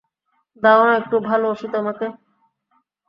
দাও না একটু ভালো ওষুধ আমাকে?